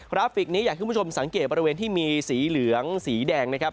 ราฟิกนี้อยากให้คุณผู้ชมสังเกตบริเวณที่มีสีเหลืองสีแดงนะครับ